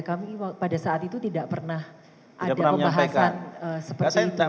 kami pada saat itu tidak pernah ada pembahasan seperti itu